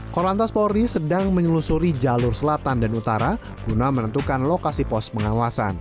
korlantas polri sedang menyelusuri jalur selatan dan utara guna menentukan lokasi pos pengawasan